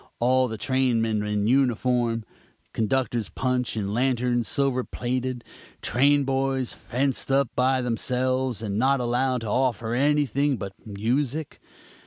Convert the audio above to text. All the trainmen in uniform; conductor's punch and lanterns silver plated; train boys fenced up by themselves and not allowed to offer anything but music.